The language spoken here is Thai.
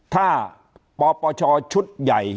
ถ้าปปชชุดใหญ่